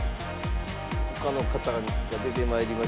他の型が出てまいりました。